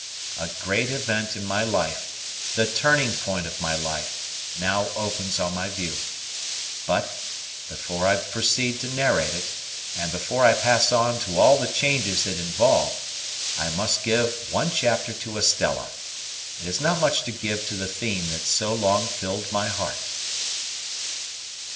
A great event in my life, the turning point of my life, now opens on my view. But, before I proceed to narrate it, and before I pass on to all the changes it involved, I must give one chapter to Estella. It is not much to give to the theme that so long filled my heart.